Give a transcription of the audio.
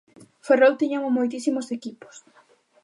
Ferrol tiña moitísimos equipos.